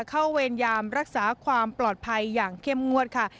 เวรยามรักษาความปลอดภัยอย่างเข้มงวดค่ะ